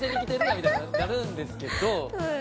みたいになるんですけど。